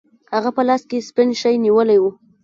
هغه په لاس کې سپین شی نیولی و.